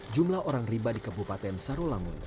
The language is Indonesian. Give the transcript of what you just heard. jumlah orang riba di kabupaten sarolangun